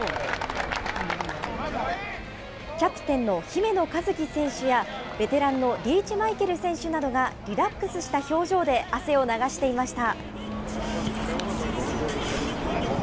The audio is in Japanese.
キャプテンの姫野和樹選手や、ベテランのリーチマイケル選手などが、リラックスした表情で汗を流していました。